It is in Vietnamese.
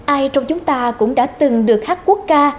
ai trong chúng ta cũng đã từng được hát quốc ca